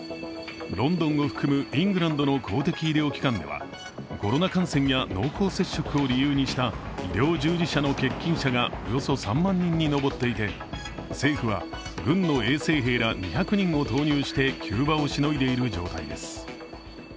ロンドンを含むイングランドの公的機関ではコロナ感染や濃厚接触を理由にした医療従事者の欠勤者がおよそ３万人に上っていて、政府は軍の衛生兵ら２００人を投入して急場をしのいでいる状態です。